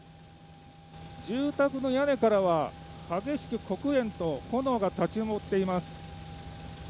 住宅の屋根からは激しく黒煙と炎が立ち上っています。